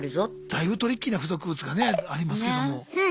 だいぶトリッキーな付属物がねありますけども。